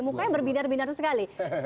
mukanya berbinar binar sekali